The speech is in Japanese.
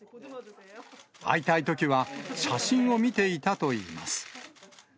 会いたいときは、写真を見ていたといいます。